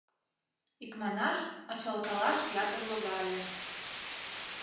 Икманаш, ачалкалаш ятыр логале.